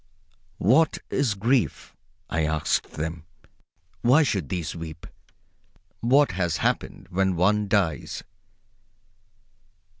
What is grief? I asked of them. Why should these weep? What has happened when one dies?